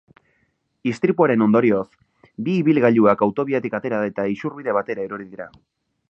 Istripuaren ondorioz, bi ibilgailuak autobiatik atera eta isurbide batera erori dira.